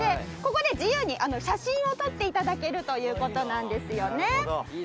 ここで自由に写真を撮っていただけるということなんですね。